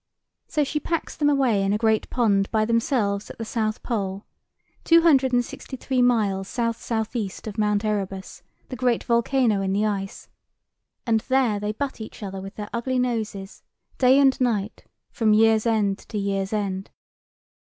So she packs them away in a great pond by themselves at the South Pole, two hundred and sixty three miles south south east of Mount Erebus, the great volcano in the ice; and there they butt each other with their ugly noses, day and night from year's end to year's end.